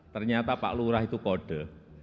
ternyata pak lurah itu kode